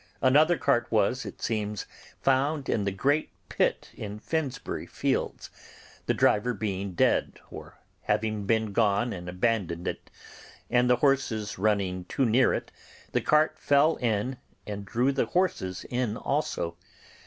Another cart was, it seems, found in the great pit in Finsbury Fields, the driver being dead, or having been gone and abandoned it, and the horses running too near it, the cart fell in and drew the horses in also.